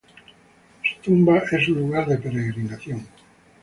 Su tumba es un lugar de peregrinación.